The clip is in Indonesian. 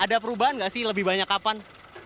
ada perubahan nggak sih lebih banyak kapan